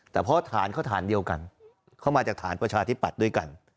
แต่เพราะฐานเข้าฐานเดียวกันเข้ามาจากฐานประชาธิปัตย์ด้วยกัน